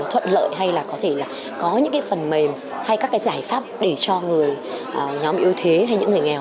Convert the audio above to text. thuận lợi hay là có thể là có những cái phần mềm hay các cái giải pháp để cho người nhóm yếu thế hay những người nghèo